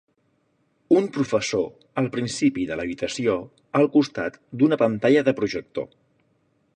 Un professor al principi de l'habitació al costat d'una pantalla de projector.